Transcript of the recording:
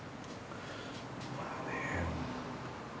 まあね。